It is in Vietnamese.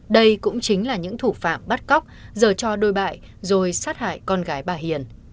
đây cũng chính là những thủ phạm bắt cóc giờ cho đôi bại rồi sát hại con gái bà hiền